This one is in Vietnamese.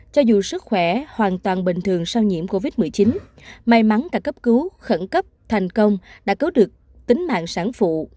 cho dù sức khỏe hoàn toàn bình thường sau nhiễm covid một mươi chín may mắn cả cấp cứu khẩn cấp thành công đã cứu được tính mạng sản phụ